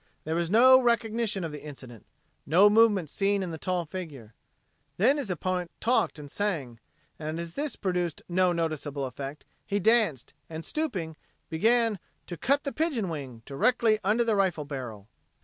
There was no recognition of the incident, no movement seen in the tall figure. Then his opponent talked and sang; and as this produced no noticeable effect, he danced, and stooping, began "to cut the pigeonwing" directly under the rifle barrel.